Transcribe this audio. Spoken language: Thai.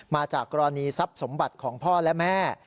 มาจากกรณีทรัพย์สมบัติของพ่อและแม่